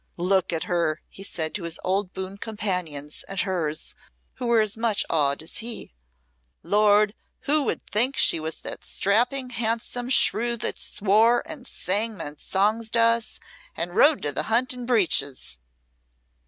"Look at her!" he said to his old boon companions and hers, who were as much awed as he. "Lord! who would think she was the strapping, handsome shrew that swore, and sang men's songs to us, and rode to the hunt in breeches."